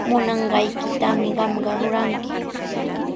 Munanqaykitami qamqa ruranki.